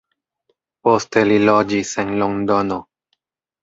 Poste li loĝis en Londono.